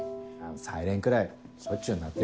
サイレンくらいしょっちゅう鳴ってるでしょ。